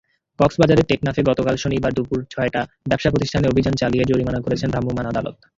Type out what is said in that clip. কক্সবাজারের টেকনাফে গতকাল শনিবার দুপুরে ছয়টি ব্যবসাপ্রতিষ্ঠানে অভিযান চালিয়ে জরিমানা করেছেন ভ্রাম্যমাণ আদালত।